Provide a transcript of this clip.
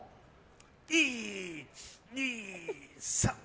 １、２、３。